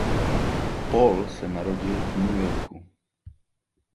Paul se narodil v New Yorku.